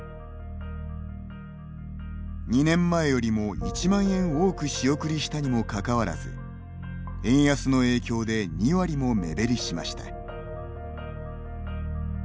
２年前よりも１万円多く仕送りしたにもかかわらず円安の影響で２割も目減りしました。